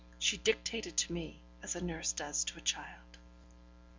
She dictated to me as a nurse does to a child.